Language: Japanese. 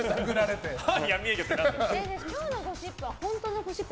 今日のゴシップは本当のゴシップ？